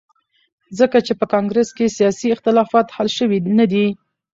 ځکه چې په کانګرس کې سیاسي اختلافات حل شوي ندي.